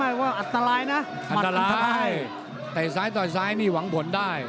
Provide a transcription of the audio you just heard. ว่าอันตรายนะอันตรายแต่ซ้ายต่อยซ้ายนี่หวังผลได้